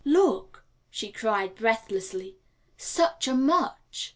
"Look," she cried breathlessly, "such a much!"